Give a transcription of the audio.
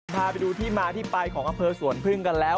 พาไปดูที่มาที่ไปของอำเภอสวนพึ่งกันแล้ว